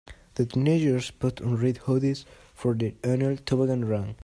The teenagers put on red hoodies for their annual toboggan run.